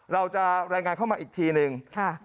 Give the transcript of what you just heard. เราจะรายงานเข้ามาอีกทีนึง